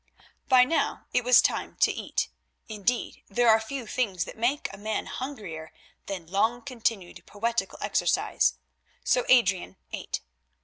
By now it was time to eat; indeed, there are few things that make a man hungrier than long continued poetical exercise, so Adrian ate.